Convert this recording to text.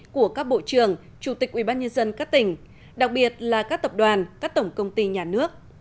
của các bộ trưởng chủ tịch ubnd các tỉnh đặc biệt là các tập đoàn các tổng công ty nhà nước